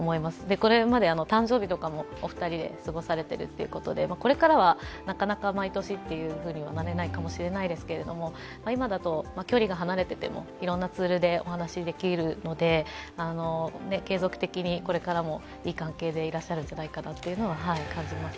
これまで誕生日とかもお二人で過ごされているということで、これからはなかなか毎年というふうにはなれないかもしれませんが今だと距離が離れていても、いろいろなツールでお話しできるので、継続的にこれからもいい関係でいらっしゃるんじゃないかと感じます。